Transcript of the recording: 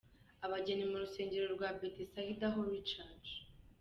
Abageni mu rusengero rwa Bethesda Holy church.